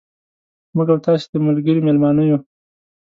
موږ او تاسو د ملګري مېلمانه یو.